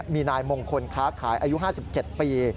มีนายมงคลค้าขายอายุ๕๗ปี